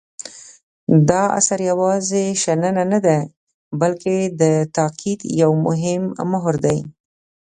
دا اثر یوازې شننه نه دی بلکې د تاکید یو مهم مهر دی.